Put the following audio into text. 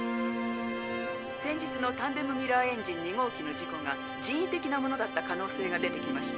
「先日のタンデム・ミラーエンジン２号機の事故が人為的なものだった可能性が出てきました。